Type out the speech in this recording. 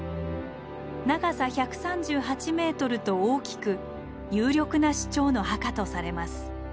長さ１３８ｍと大きく有力な首長の墓とされます。